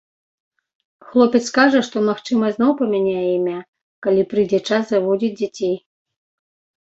Хлопец кажа, што, магчыма, зноў памяняе імя, калі прыйдзе час заводзіць дзяцей.